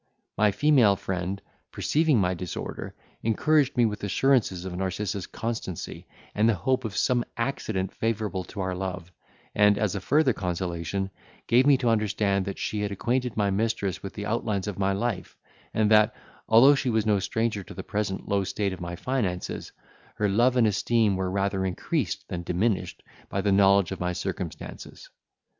My female friend, perceiving my disorder, encouraged me with assurances of Narcissa's constancy, and the hope of some accident favourable to our love; and, as a further consolation, gave me to understand, that she had acquainted my mistress with the outlines of my life: and that, although she was no stranger to the present low state of my finances, her love and esteem were rather increased than diminished by the knowledge of my circumstances.